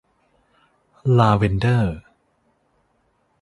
ลาเวนเดอร์